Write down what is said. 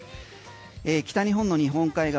北日本の日本海側